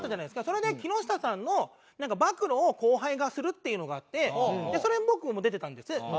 それで木下さんの暴露を後輩がするっていうのがあってそれに僕も出てたんです。